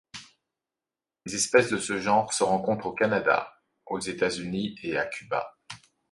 Les espèces de ce genre se rencontrent au Canada, aux États-Unis et à Cuba.